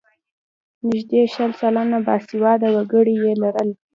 نږدې شل سلنه باسواده وګړي یې لرل.